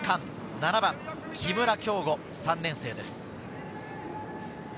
７番・木村匡吾３年生です。